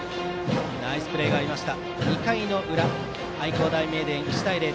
ナイスプレーがありました。